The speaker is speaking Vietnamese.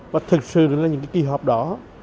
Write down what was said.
và thực sự là những cái kỳ họp đó